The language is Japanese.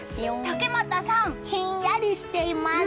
竹俣さん、ひんやりしています。